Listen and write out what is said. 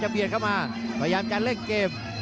พยายามจะเล่นเก็บ